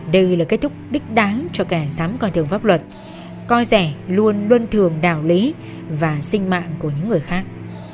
đây là kết thúc đích đáng cho kẻ dám coi thường pháp luật coi rẻ luôn luôn thường đạo lý và sinh mạng của những người khác